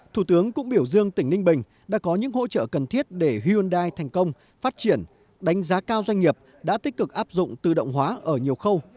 thủ tướng cũng biểu dương tỉnh ninh bình đã có những hỗ trợ cần thiết để hyundai thành công phát triển đánh giá cao doanh nghiệp đã tích cực áp dụng tự động hóa ở nhiều khâu